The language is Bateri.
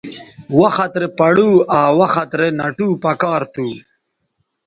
وخت رے پڑو آ وخت رے نَٹو پکار تھو